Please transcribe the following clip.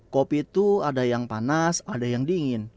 kopi itu ada yang panas ada yang dingin